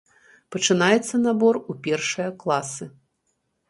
Пачынаецца набор у першыя класы.